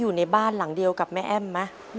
อยู่ในบ้านหลังเดียวกับแม่แอ้มไหม